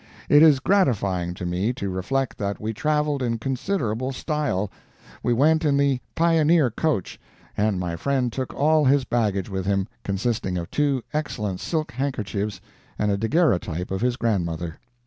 It is gratifying to me to reflect that we traveled in considerable style; we went in the Pioneer coach, and my friend took all his baggage with him, consisting of two excellent silk handkerchiefs and a daguerreotype of his grandmother.